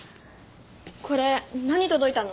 これ何届いたの？